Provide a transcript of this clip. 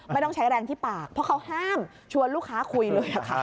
ไม่ต้องใช้แรงที่ปากเพราะเขาห้ามชวนลูกค้าคุยเลยค่ะ